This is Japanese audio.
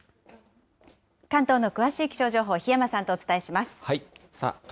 関東の詳しい気象情報、檜山さんとお伝えします。